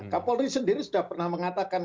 kapolri sendiri sudah pernah mengatakan